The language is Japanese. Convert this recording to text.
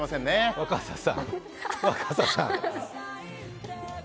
若狭さん、若狭さん